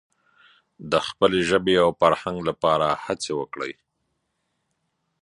د خپلې ژبې او فرهنګ لپاره هڅې وکړي.